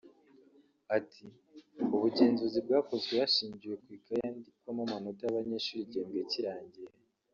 Ati “Ubugenzuzi bwakozwe hashingiwe ku ikaye yandikwamo amanota y’abanyeshuri igihembwe kirangiye